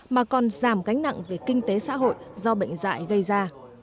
mà còn giảm gánh nặng về kinh tế xã hội do bệnh dạy gây ra